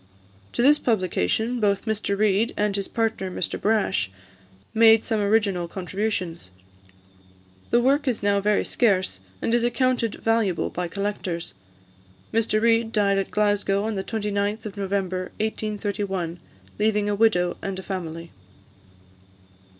To this publication, both Mr Reid, and his partner, Mr Brash, made some original contributions. The work is now very scarce, and is accounted valuable by collectors. Mr Reid died at Glasgow, on the 29th of November 1831, leaving a widow and a family.